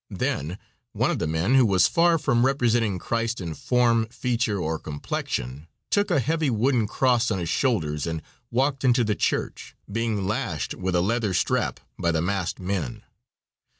Then one of the men who was far from representing Christ in form, feature or complexion, took a heavy wooden cross on his shoulders and walked into the church, being lashed with a leather strap by the masked men.